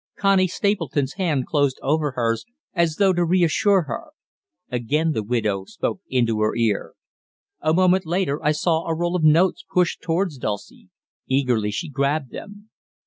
Connie Stapleton's hand closed over hers, as though to reassure her. Again the widow spoke into her ear. A moment later I saw a roll of notes pushed towards Dulcie. Eagerly she grabbed them.